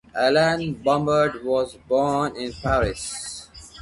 Alain Bombard was born in Paris.